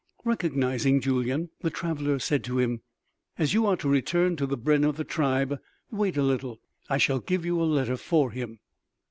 Recognizing Julyan, the traveler said to him: "As you are to return to the brenn of the tribe, wait a little; I shall give you a letter for him."